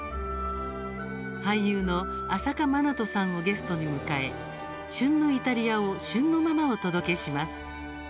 俳優の朝夏まなとさんをゲストに迎え旬のイタリアを旬のままお届けします。